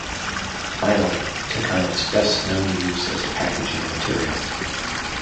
Finally, it took on its best-known use as a packaging material.